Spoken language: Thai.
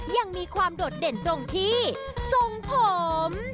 ยังมีความโดดเด่นตรงที่ทรงผม